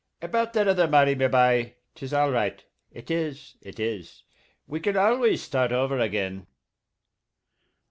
About about that other, Marty, me bye, 'tis all right, it is, it is. We can always start over again."